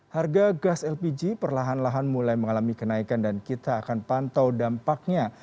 harga gas lpg perlahan lahan mulai mengalami kenaikan dan kita akan pantau dampaknya